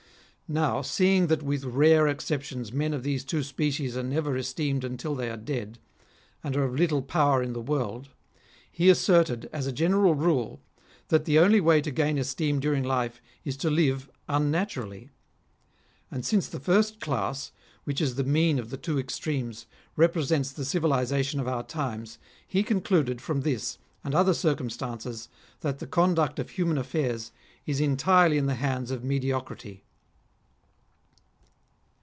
Now, seeing that with rare exceptions men of these two species are never esteemed until they are dead, and are of little power in the world ; he asserted as a general rule, that the only way to gain esteem during life is to live unnaturally. And since the first class, which is the mean of the two extremes, represents the civilisation I I30 REMARKABLE SAYINGS OF of our times ; he concluded from this and other circum stances that the conduct of human affairs is entirely in the hands of mediocrity.